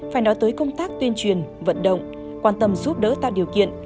phải nói tới công tác tuyên truyền vận động quan tâm giúp đỡ tạo điều kiện